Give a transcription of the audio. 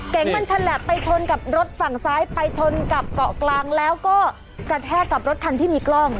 มันฉลับไปชนกับรถฝั่งซ้ายไปชนกับเกาะกลางแล้วก็กระแทกกับรถคันที่มีกล้อง